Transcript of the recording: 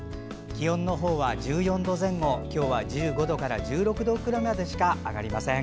気温は１４度前後今日は１５度から１６度くらいまでしか上がりません。